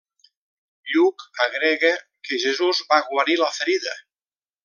Lluc agrega que Jesús va guarir la ferida.